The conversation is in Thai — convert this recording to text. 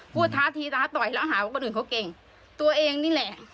ท้าทีท้าต่อยแล้วหาว่าคนอื่นเขาเก่งตัวเองนี่แหละ